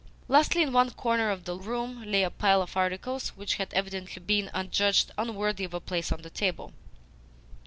Lastly, in one corner of the room lay a pile of articles which had evidently been adjudged unworthy of a place on the table.